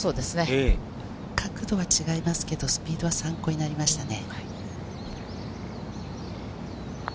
角度は違いますけど、スピードは参考になりましたね。